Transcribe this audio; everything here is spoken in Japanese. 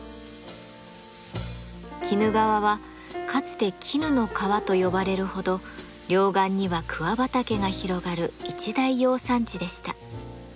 鬼怒川はかつて絹の川と呼ばれるほど両岸には桑畑が広がる一大養蚕地でした。